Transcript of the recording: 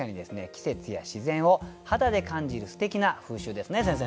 季節や自然を肌で感じるすてきな風習ですね先生ね。